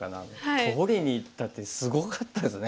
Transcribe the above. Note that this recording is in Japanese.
取りにいったってすごかったですね。